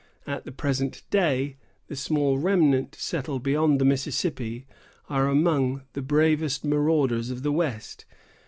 At the present day, the small remnant settled beyond the Mississippi are among the bravest marauders of the west.